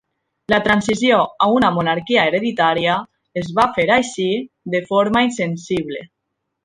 La transició a una monarquia hereditària es va fer així de forma insensible.